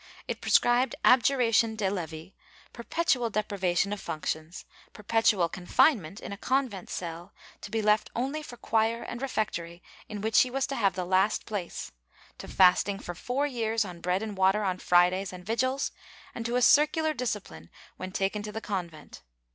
It prescribed abjuration de kvi, perpetual depri vation of functions, perpetual confinement in a convent cell, to be left only for choir and refectory, in which he was to have the last place, to fasting for four years, on bread and water on Fridays and vigils, and to a circular discipline when taken to the con vent.